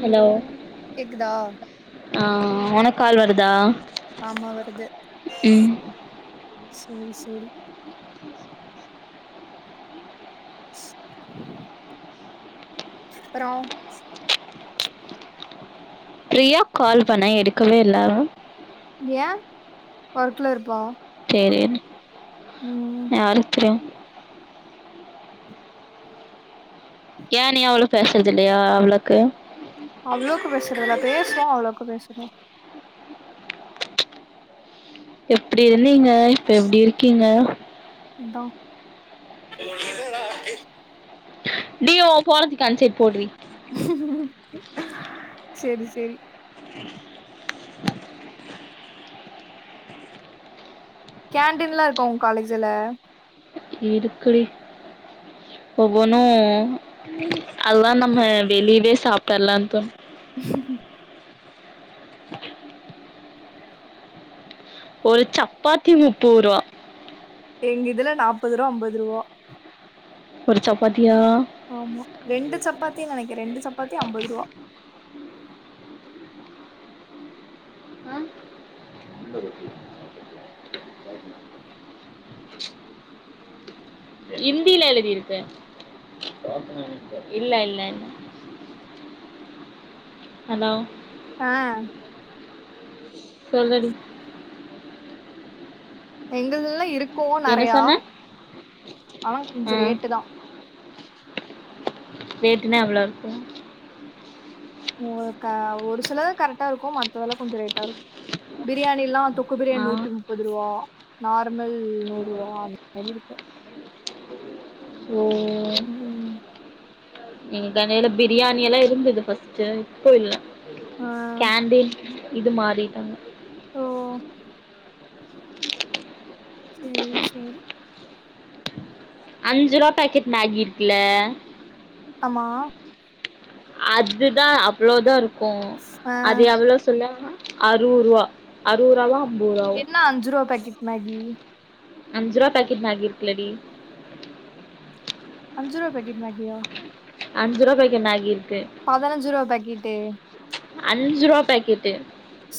hello கேக்குதா ஆ ஒனக்கு கால் வருதா ஆமா வருது ம் சேரி சேரி ஸ் அப்றோ பிரியாக் கால் பண்ணே எடுக்கவே இல்ல அவ ஏ ஒர்க்ல இருப்பா தெரியல ம் யாருக்கு தெரியு ஏ நீயு அவளு பேசுறது இல்லயா அவ்ளோக்கு அவ்ளோக்கு பேசுறது இல்ல பேசுவோ அவ்ளோக்கு பேசுறது எப்டி இருந்தீங்க இப்ப எப்டி இருக்கீங்க அதா டி ஒ ஃபோன தூக்கி அந் சைட் போட்ரி சேரி சேரி கேன்டீன்லா இருகா உங்க காலேஜ்ல இருக்குடி ஒவ்வொனு அதல்லா நம்ம வெளியவே சாப்பிட்டர்ல தோணு ஒரு சப்பாத்தி முப்பது ரூபா எங்க இதுல நாப்பது ரூபா அம்பது ரூபா ஒரு சப்பாத்தி ஆமா ரெண்டு சப்பாத்தி நெனைக்கிற ரெண்டு சப்பாத்தி ஐம்பது ரூவா அஹ் இந்தியில எழுதி இருக்கு இல்ல இல்ல ஹலோ ஆஹ் சொல்லுடி எங்கல்லா இருக்கோ என்ன நெறையா சொன்ன ஆனா கொஞ்சோ ம் ரேட்டு தா ரேட்டுனா எவ்ளோ இருக்கு ஒ க ஒரு சிலது கரெக்டா இருக்கு ம த்ததுலா கொஞ்சோ ரேட்டா இருக்கு பிரியாணி எல்லா தொக்கு ஆ பிரியாணி நூத்தி முப்பது ரூவா நார்மல் நூறுவா மாரி இருக்கு ஓ ம் எங் கடையில பிரியாணி எல்லா இருந்தது ஃபஸ்ட்டு இப்போ இல்ல ஆ கேண்டின் இது மாறிட்டாங்க ஓ சேரி சேரி அஞ்சு ரூவா பேக்கெட் மேகி இருக்குல ஆமா அதுதா அவ்ளோதா இருக்கு ஆ அது எவ்ளோ சொல்வாங்க அறுவரூவா அறுவரூவால்லா என்ன அஞ்சு ரூபா பேக்கெட் மேகி அஞ்சு ரூவா பேக்கெட் மேகி இருக்குலடி அஞ்சு ரூவா பேக்கெட்டு மேகியா அஞ்சு ரூவா பேக்கெட் மேகி இருக்கு பதினஞ்சு ரூவா பாக்கெட்டு அஞ்சு ரூவா பேக்கெட்டு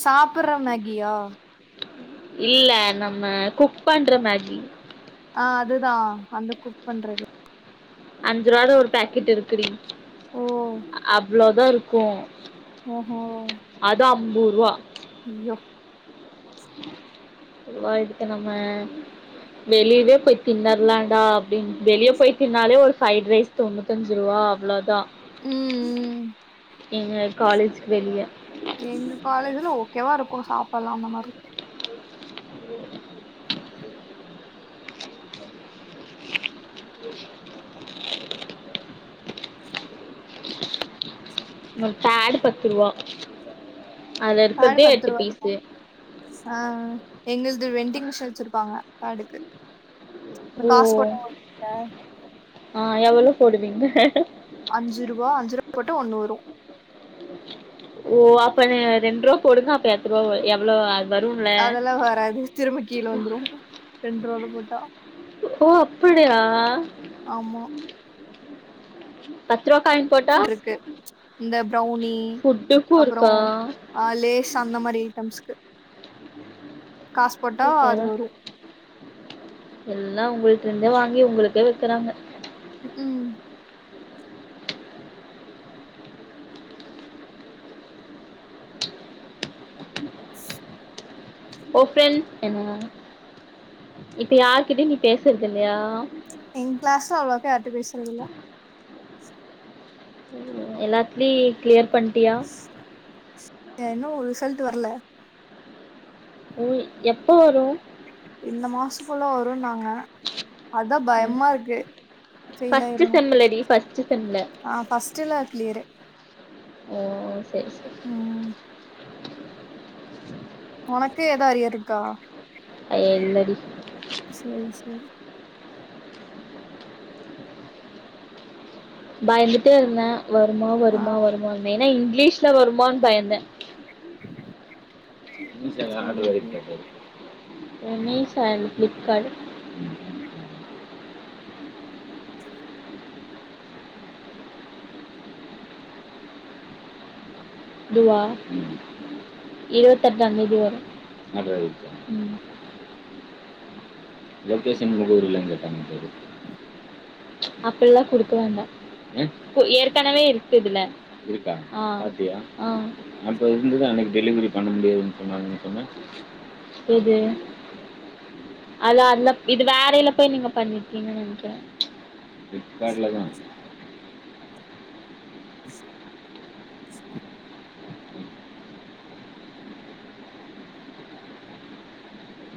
சாப்புட்ற மேகியா இல்ல நம்ம குக் க் பண்ற மேகி ஆஹ் அதுதா வந்து குக் பண்றது அஞ்சு ரூவாது ஒரு பேக்கெட் இருக்குடி ஓ அவ்ளோதா இருக்கும் ஓஹோ அய்யோ பொதுவா இதுக்கு நம்ம வெளிவே போய் தின்னரலாடா அப்படின்னு வெளியே போய் தின்னாலே ஒரு ஃப்ரைட் ரைஸ் தொண்ணூத்த அஞ்சு ரூவா அவ்ளோதா உம் உம் எங்க காலேஜக்கு வெளிய எங் காலேஜ்ல ஓகேவா இருக்கும் சாப்படலா அந்த மாதிரி ஒரு ப்பேடு பத்து ரூவா பேடு பத்து ரூவா ஆ எங்ளது வெண்டிங் மிஷின் வச்சிருப்பாங்க பேடுக்கு ஓ ஆ எவ்ளோ போடுவீங்க அஞ்சு ரூவா அஞ்சு ரூவா போட்டா ஒண்ணு வரு ஓ அப்பன்னா ரெண்ரூவா போடுங்க அப்ப எத்து ரூவ எவ்ளோ வரும்ல அதெல்லா வராது திரும்ப கீழ வந்துரு ரெண் ரூவாலா போட்டா ஓ அப்படியா ஆமா பத்து ருவா காயின் போட்டா ஃபுட் இருக்கு இந்த ப்ரௌனி ஃபுட்டுக்கு அப்ரோ இருக்கா அ லேஸ் அந்த மாரி ஐட்டம்ஸ்கு காஸ் போட்டா ஓ பர அது வரு எல்லா உங்கள்ட்டந்தே வாங்கி உங்களுக்கே விக்கிறாங்க ம் ஓபன் என்ன இப்ப யாருகிட்டயு நீ பேசறது இல்லயா எங் கிளாஸ்ல அவ்ளக்கா யார்ட்ட பேசறது இல்ல எல்லாத்துலயு கிளியர் பண்ட்டியா ஆ இன்னு ரிசல்ட் வரல உ எப்ப வரு இந்த மாசக்குள்ள வருனாங் ங்க அதா ம் பயமா இருக்கு ஃபெயில் ஃபஸ்ட்டு ஆயிரணோ செம்லடி ஃபஸ்ட்டு செம்ல ஆ ஃபஸ்டுல கிளியரு ஓ சரி சரி ம் வொனக்கு ஏதா அரியர் இருக்கா ஐய இல்லடி சரி சரி பயந்துட்டே இருந்த வருமா ஆ வருமா வருமான் ஏன்னா இ இங்கிலீஷ்ல வருமான் பயந்த மீஷால சேரி ஆர்டர் சேரி ஆயிருக்கா பாரு மீஷா இல்ல ஃப்ளிப்கார்ட் ம் துவா இருவத்தெட்டாந்தேதி வரு ஆர்டர் ஆயிருக்கா ம் லொகேஷன் உங்க ஊர்ல எங்க காமிக்குது ச்சு அப்பல்லா குடுக்க வேண்டா ஏற்கனவே இருக்கு இதுல இருக்கா ஆ பாத்தியா ஆ அப்ப இந்தது இன்னிக்கு டெலிவரி பண்ண முடியாதுன் சொன்னாங்கனு சொன்ன எது அது அதுல இது வேறையில போய் நீங்க பண்ணிருக்கீங்க நனைக்கறே ஃபிளிப்கார்ட்ல தா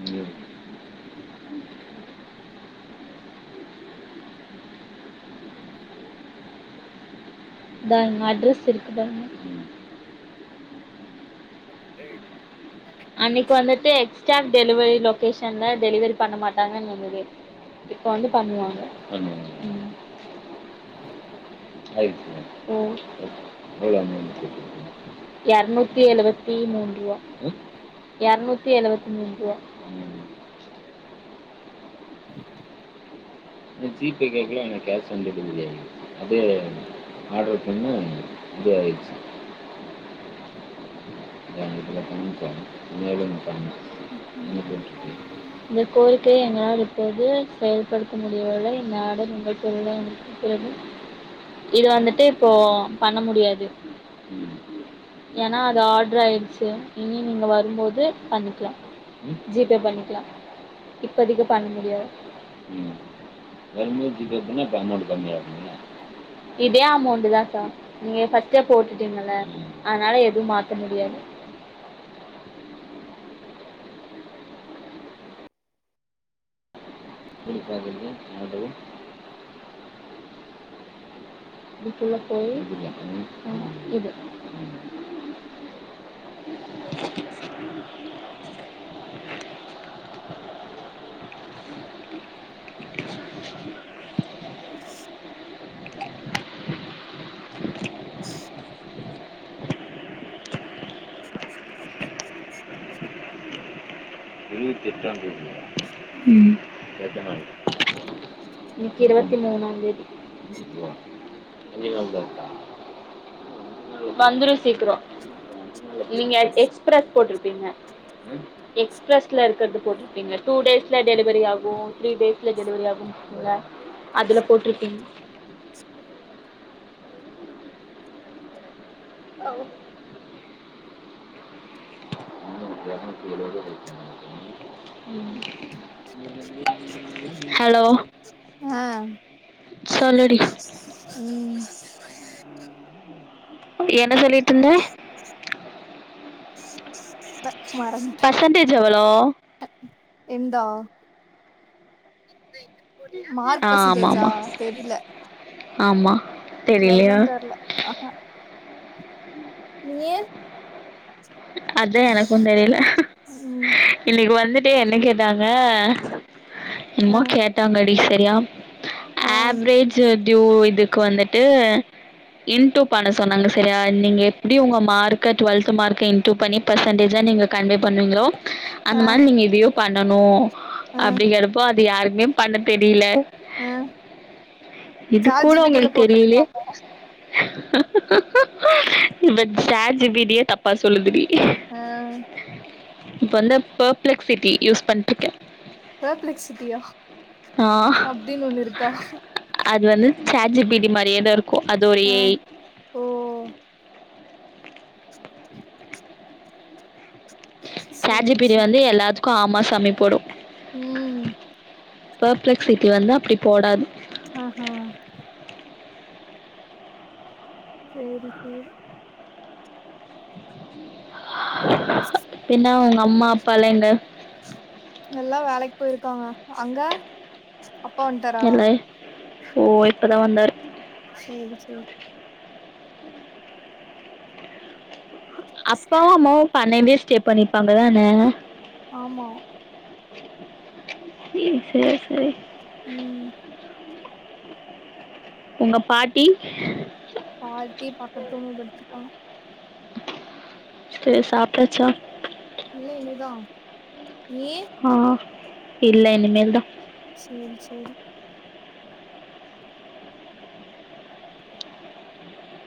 ம் இதாங் அட்ரஸ் இருக்குதாங்க அன்னிக்கு வந்துட்டு எக்ஸ்டாக்ட் டெலிவரி லொகேஷன்ல டெலிவரி பண்ண மாட்டாங்கன் வந்தது இப்ப வந்து பண்ணுவாங்க ம் ஆயிடுச்சு ஓகே எவ்ள அமௌன்ட் [unintelligible] எரணுத்தி எழுவத்தி மூன்ரூவா எரணுத்தி எழுவத்தி மூன்ரூவா ஜி பே கேக்கல கேஷ் ஆன் டெலிவரி அதே ஆர்டர் பண்ண இப்டி ஆயிச்சு இந்த கோயில் யே எங்களால் இப்போது செயல்படுத்த முடியவில்லை இந்த ஆடர் உங்கள்ளுக்கு வந்த பிறகும் இத வந்துட்டு இப்போ பண்ண முடியாது ஏன்னா அது ஆட் டர் ஆயிடுச்சு இனி நீங்க வரும் போது பண்ணிக்கலா ஜி பே பண்ணிக்கலா இப்பதிக்கு பண்ண முடியாது வரும்போது ஜி பே பண்ணா அப்ப அமௌன்ட் கம்மியாகுமல்ல இதே அமௌண்ட் தா சா நீங்க ஃப்ஸ்ட் போட்டுட்டீங்கள அதனால எதும் மாத் மாத்தமுடியாது [unintelligible] ஆர்டரு வீட்டுள்ள போய் இது இருபத்தி எட்டாம் தேதி ம் இன்னக்கி இருபத்தி மூனாம் தேதி வந்துரு சீக்கிரோ நீங்க எக்ஸ்பிரஸ் போட்டிருப்பீங்க ம் எக்ஸ்பி ஃப்ரெஷ்ல இருக்குறது போட்டிருக்கீங்க டூ டேஸ்ல டெலிவரி ஆகு த்ரீ டேஸ்ல டெலிவரி ஆகு இருக்கும்ல அதுல போட்டிருக்கீங்க ஓ [inaudible] ஹலோ அ சொல்லுடி ம் என்ன சொல்லிட்டு இருந்த மறந்துட எவ்ளோ என்ந்தா அ ஆமா பர்சன்டேஜா ஆமா ஆமா எவ்ளோ தெரியலையா தெர்ல ஆஹா நீயே அதா எனக்கு தெரில ம் இன்னிக்கு வந்துட்டு என்ன கேட்டாங்க ஆ என்னமோ கேட்டாங்கடி சரியா ஆ ஆவ்ரேஜ் டியு இதுக்கு வந்துட்டு இன்ட்டு பண்ண சொன்னாங்க சரிய நீங்க எப்டி உங்க மார்க்க டுவெத் மார்க் இன்ட்டு பன்னி ஃபர்சென்டேஜ்ஜா நீங்க கன்வே பண்ணுவீங்களோ அந்த ஆ மாரி நீங்க இதையு பண்ணணு ஆ அப்டிங்கறப்போ அது யாருக்குமே பண்ண தெரில ஆ இது சாட் கூட ஜி பி டி ல உங்களுக்கு போட்ருக்கா தெரிலியே இப்ப சாட் ஜி பி டியே தப்பா சொல்லுதுடி அ இப்ப வந்து ஃபர்ப்ளெக்சிட்டி யூஸ் பண்ணிருக்கே ஃப்ர்ப்ளெக்சிட்டியா ஆ அப்டின்னு ஒண்ணு இருக்கா அது வந்து சாட் ஜி பி டி மாரியே தா இருக்கு அது ஒரு ஆ ஏ ஐ ஓ சாட் ஜி சேரி பி டி வந்து எல்லாத்துக்கு ஆமா சாமி போடு உம் பப்ளக்ஸ் சிட்டி வந்தா அப்படி போடாது ஆஹ்ஹ சேரி சேரி பின்னா உங்க அம்மா அப்பாலாம் எங்க இருக்காங்க அங்க அப்பா வந்ட்டாரா இல்ல ஓ இப்பதான் வந்தாரு சேரி சேரி அப்பாவும் அம்மாவும் பண்ணையிலே ஸ்டே பண்ணிப்பாங்க தானே ஆமா சேரி சேரி சேரி உம் உங்க பாட்டி பாட்டி பக்கத்து ரூம்ல படுத்திருப்பாங்க சேரி சாப்பிட்டாச்சா இல்ல இனிதான் நீயி ஆ இல்ல இனிமேல் தான் சேரி சேரி